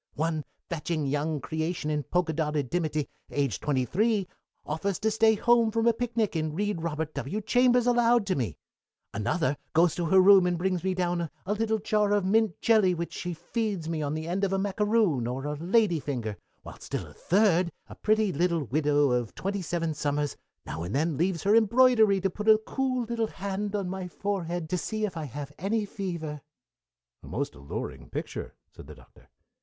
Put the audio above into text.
One fetching young creation in polka dotted dimity, aged twenty three, offers to stay home from a picnic and read Robert W. Chambers aloud to me. Another goes to her room and brings me down a little jar of mint jelly, which she feeds to me on the end of a macaroon or a lady finger, while still a third, a pretty little widow of twenty seven summers, now and then leaves her embroidery to put a cool little hand on my forehead to see if I have any fever " "A most alluring picture," said the Doctor.